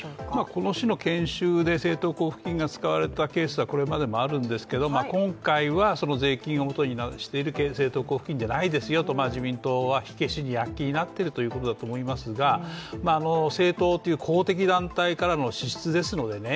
この種の研修で政党交付金が使われたケースはあるんですけれども、今回は、その税金をもとにしている政党交付金ではないですよと自民党は火消しに躍起になっているということだと思いますが政党っていう公的団体からの支出ですのでね